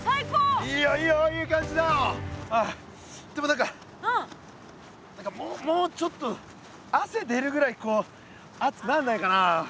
何かもうちょっと汗出るぐらい熱くなんないかな。